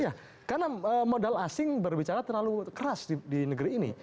iya karena modal asing berbicara terlalu keras di negeri ini